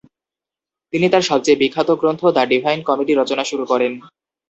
তিনি তার সবচেয়ে বিখ্যাত গ্রন্থ দ্য ডিভাইন কমেডি রচনা শুরু করেন।